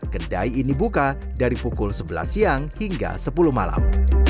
kedai ini buka dari pukul sebelas siang hingga sepuluh malam